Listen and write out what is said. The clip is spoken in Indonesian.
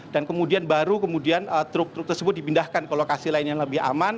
dan kemudian baru truk truk tersebut dipindahkan ke lokasi lain yang lebih aman